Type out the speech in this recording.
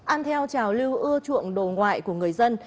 ăn theo trào lưu ưa chuộng đồ ngoại của người dân